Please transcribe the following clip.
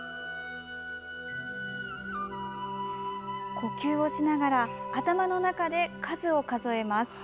呼吸をしながら頭の中で、数を数えます。